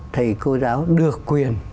thầy cô giáo được quyền